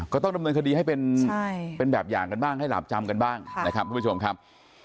ก็ต้องดำเนินคดีให้เป็นแบบอย่างกันบ้างให้หลาบจำกันบ้างนะครับทุกผู้ชมครับ